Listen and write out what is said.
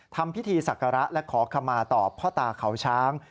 ทำพิธีศักระและขอขมาต่อพ่อตาเขาช้าง